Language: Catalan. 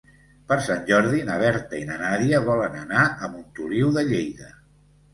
Per Sant Jordi na Berta i na Nàdia volen anar a Montoliu de Lleida.